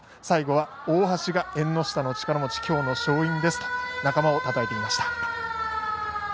最後は、大橋が縁の下の力持ちきょうの勝因ですと仲間をたたえていました。